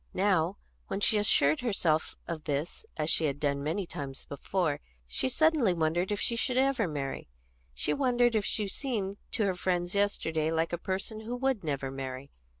Now, when she assured herself of this, as she had done many times before, she suddenly wondered if she should ever marry; she wondered if she had seemed to her friends yesterday like a person who would never marry.